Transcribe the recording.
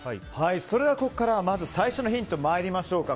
それでは、ここからは最初のヒント参りましょう。